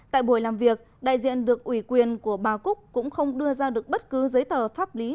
tại buổi làm việc đại diện được ủy quyền của bà cúc cũng không đưa ra được bất cứ giấy tờ pháp lý